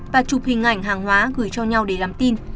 và chụp hình ảnh hàng hóa gửi cho nhau để làm tin